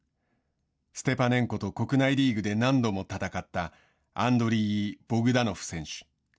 ステパネンコと国内リーグで何度も戦ったアンドリーイ・ボグダノフ選手。